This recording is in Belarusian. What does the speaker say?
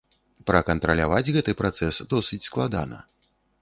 Пракантраляваць гэты працэс досыць складана.